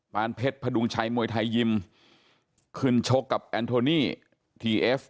ป้านเพชรประดุงชัยมวยไทยยิมคุณชกกับแอนโทนีแที้เอฟ